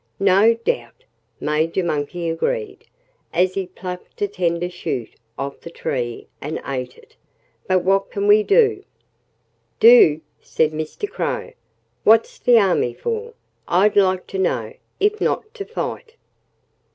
"No doubt!" Major Monkey agreed, as he plucked a tender shoot off the tree and ate it. "But what can we do?" "Do!" said Mr. Crow. "What's the army for I'd like to know if not to fight?"